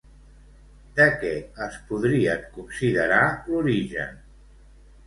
De què es podrien considerar l'origen?